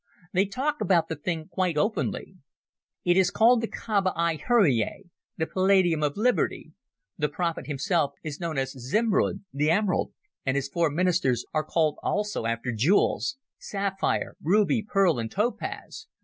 "They talk about the thing quite openly. It is called the Kaába i hurriyeh, the Palladium of Liberty. The prophet himself is known as Zimrud—'the Emerald'—and his four ministers are called also after jewels—Sapphire, Ruby, Pearl, and Topaz.